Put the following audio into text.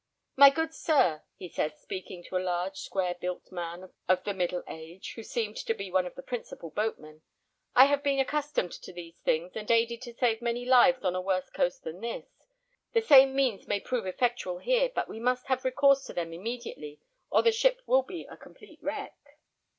"My good sir," he said, speaking to a large, square built man of the middle age, who seemed to be one of the principal boatmen, "I have been accustomed to these things, and aided to save many lives on a worse coast than this. The same means may prove effectual here, but we must have recourse to them immediately, or the ship will be a complete wreck."